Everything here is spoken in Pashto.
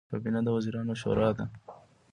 کابینه د وزیرانو شورا ده